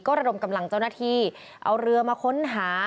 ระดมกำลังเจ้าหน้าที่เอาเรือมาค้นหา